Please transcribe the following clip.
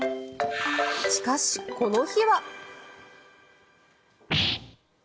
しかし、この日は。